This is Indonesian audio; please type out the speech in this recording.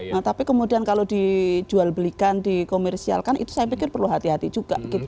nah tapi kemudian kalau dijual belikan dikomersialkan itu saya pikir perlu hati hati juga